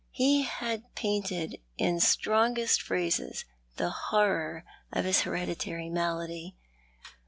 He had painted in strongest phrases the horror of his Bereditary malady.